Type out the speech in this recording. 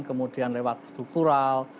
kemudian lewat kural